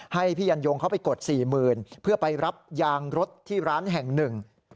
ให้พี่ยันยงเขาไปกด๔๐๐๐เพื่อไปรับยางรถที่ร้านแห่งหนึ่ง